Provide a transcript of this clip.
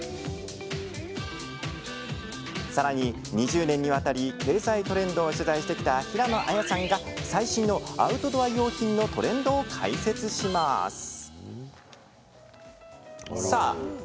さらに、２０年にわたり経済トレンドを取材してきた平野亜矢さんが最新のアウトドア用品のトレンドを解説します。